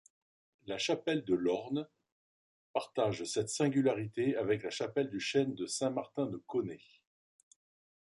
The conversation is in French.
La chapelle de l'Orme partage cette singularité avec la chapelle du Chêne de Saint-Martin-de-Connée.